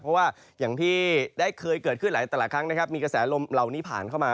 เพราะว่าอย่างที่เคยเกิดขึ้นหลายครั้งมีกระแสลมเหล่านี้ผ่านเข้ามา